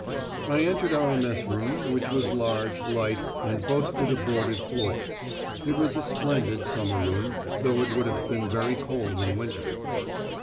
I entered our mess room, which was large, light, and boasted a boarded floor; it was a splendid summer room, though it would have been very cold in winter.